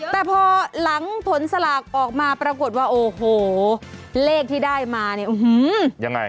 แต่พอหลังถนสลากออกมาปรากฏว่าโอ้โหอย่างไร